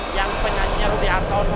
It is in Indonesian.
yang penyanyinya rudy antono